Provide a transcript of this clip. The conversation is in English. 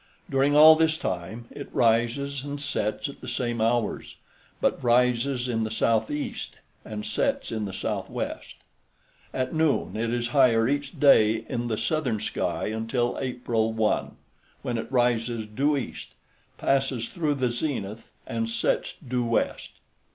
During all this time it rises and sets at the same hours, but rises in the southeast and sets in the southwest. At noon it is higher each day in the southern sky until April 1, when it rises due east, passes through the zenith and sets due west.